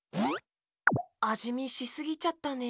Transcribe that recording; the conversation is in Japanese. あじみしすぎちゃったね。